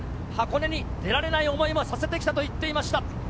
箱根に出られない思いもさせてきたと言っていました。